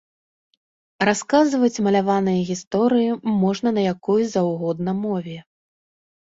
Расказваць маляваныя гісторыі можна на якой заўгодна мове.